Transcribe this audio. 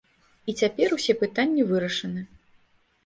І цяпер усе пытанні вырашаны.